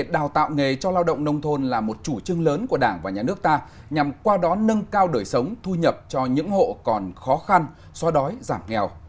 chín năng suất lao động nông thôn là một chủ trương lớn của đảng và nhà nước ta nhằm qua đó nâng cao đời sống thu nhập cho những hộ còn khó khăn xóa đói giảm nghèo